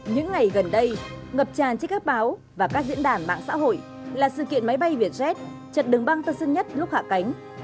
những ngày gần đây ngập tràn trên các báo và các diễn đàn mạng xã hội là sự kiện máy bay vietjet chặn đường băng tân sân nhất lúc hạ cánh